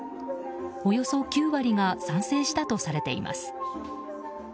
およそ９割が賛成したとされています。